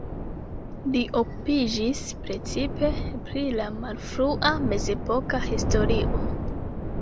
Li okupiĝis precipe pri la malfrua mezepoka historio.